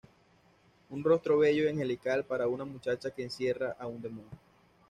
Un rostro bello y angelical, para una muchacha que encierra a un demonio.